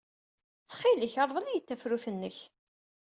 Ttxil-k, rḍel-iyi tafrut-nnek.